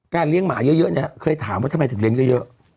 เลี้ยงหมาเยอะเนี่ยเคยถามว่าทำไมถึงเลี้ยงเยอะ